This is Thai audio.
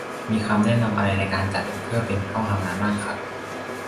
มีคำแนะนำอะไรในการจัดเพื่อเป็นห้องทำงานบ้างครับ ?